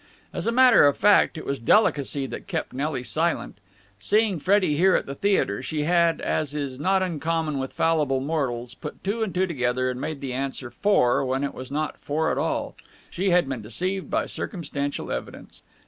As a matter of fact, it was delicacy that kept Nelly silent. Seeing Freddie here at the theatre, she had, as is not uncommon with fallible mortals, put two and two together and made the answer four when it was not four at all. She had been deceived by circumstantial evidence.